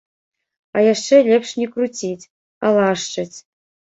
А яшчэ лепш не круціць, а лашчыць!